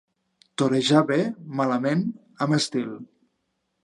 Torejar bé, malament, amb estil.